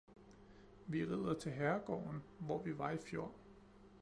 Vi rider til herregården, hvor vi var i fjor